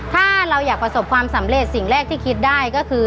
ถ้าเราอยากประสบความสำเร็จสิ่งแรกที่คิดได้ก็คือ